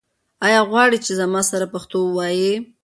آیا غواړې چې زما سره پښتو ووایې؟